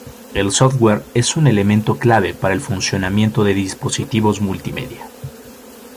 El software es un elemento clave para el funcionamiento de dispositivos multimedia.